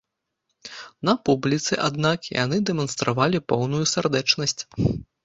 На публіцы, аднак, яны дэманстравалі поўную сардэчнасць.